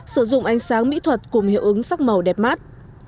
sử dụng ánh sáng mỹ thuật cùng hiệu ứng sắc màu đẹp mắt